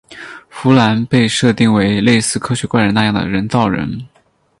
芙兰被设定为类似科学怪人那样的人造人。